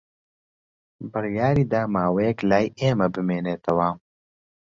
بڕیاری دا ماوەیەک لای ئێمە بمێنێتەوە.